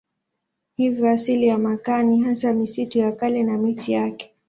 Hivyo asili ya makaa ni hasa misitu ya kale na miti yake.